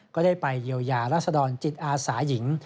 ก็ได้ไปเยียวยาราศดรจิตอาสาหญิง